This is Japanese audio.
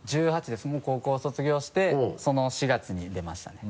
１８ですもう高校卒業してその４月に出ましたね。